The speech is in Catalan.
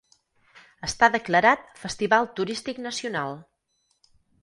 Està declarat Festival Turístic Nacional.